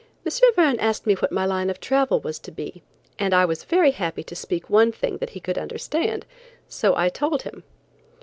M. Verne asked me what my line of travel was to be, and I was very happy to speak one thing that he could understand, so I told him.